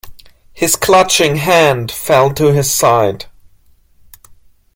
His clutching hand fell to his side.